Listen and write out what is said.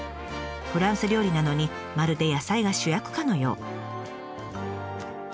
フランス料理なのにまるで野菜が主役かのよう。